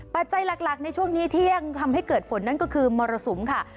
ปัจจัยหลักในช่วงนี้เที่ยงทำให้เกิดฝนนั่นก็คือมรสุมค่ะ